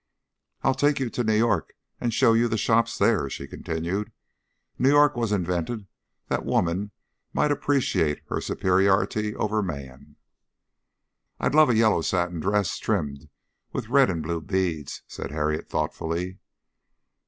"I'll take you to New York and show you the shops there," she continued. "New York was invented that woman might appreciate her superiority over man." "I'd love a yellow satin dress trimmed with red and blue beads," said Harriet, thoughtfully.